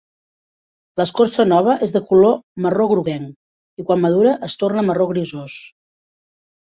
L'escorça nova és de color marró groguenc, i quan madura es torna marró grisós.